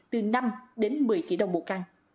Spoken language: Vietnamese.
từ năm đến một mươi tỷ đồng một căn